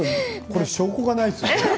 これは証拠はないですよね？